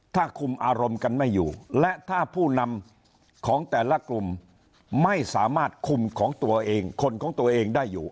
ถ้าคุมอารมณ์กันไม่อยู่และถ้าผู้นำของแต่ละกลุ่มไม่สามารถคุมของตัวเองคนของตัวเองได้อยู่